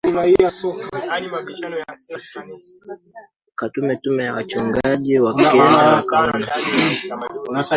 katuma tume ya wachungaji wakenda wakaona